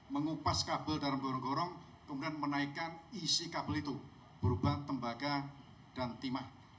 mengupas kabel dalam gorong gorong kemudian menaikkan isi kabel itu berupa tembaga dan timah